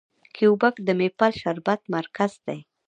کیوبیک د میپل شربت مرکز دی.